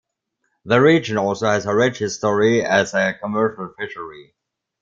The region also has a rich history as a commercial fishery.